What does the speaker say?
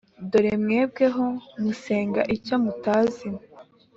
Dore mwebweho musenga icyo mutazi